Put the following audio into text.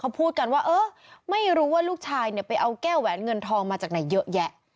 พูดกันว่าเออไม่รู้ว่าลูกชายเนี่ยไปเอาแก้วแหวนเงินทองมาจากไหนเยอะแยะ